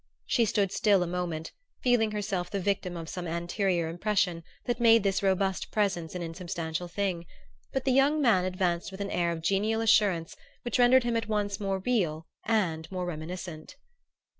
She stood still a moment, feeling herself the victim of some anterior impression that made this robust presence an insubstantial thing; but the young man advanced with an air of genial assurance which rendered him at once more real and more reminiscent.